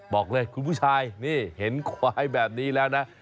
บอกเลยคุณผู้ชายนี่เห็นควายแบบนี้แล้วนะ